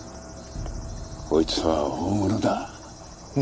こいつは大物だ。